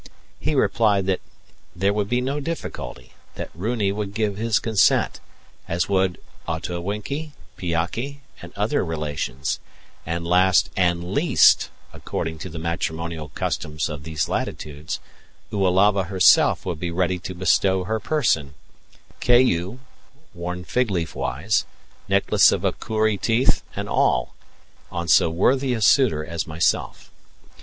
He replied that there would be no difficulty: that Runi would give his consent, as would also Otawinki, Piake, and other relations; and last, and LEAST, according to the matrimonial customs of these latitudes, Oalava herself would be ready to bestow her person queyou, worn figleaf wise, necklace of accouri teeth, and all on so worthy a suitor as myself.